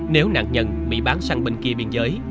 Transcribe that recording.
nếu nạn nhân bị bán sang bên kia biên giới